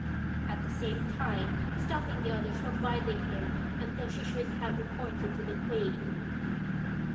at the same time stopping the others from binding him until she should have reported to the Queen.